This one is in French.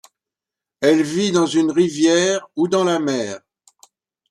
Elle vit dans une rivière ou dans la mer.